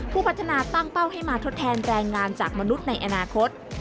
ผู้พัฒนาตั้งเป้าให้มาทดแทนแรงงานจากมนุษย์ในอนาคต